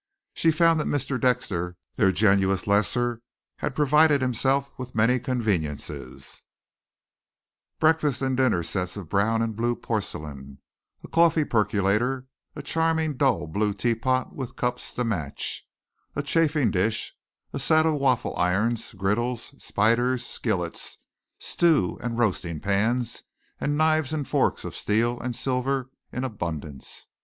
She found that Mr. Dexter, their generous lessor, had provided himself with many conveniences breakfast and dinner sets of brown and blue porcelain, a coffee percolator, a charming dull blue teapot with cups to match, a chafing dish, a set of waffle irons, griddles, spiders, skillets, stew and roasting pans and knives and forks of steel and silver in abundance.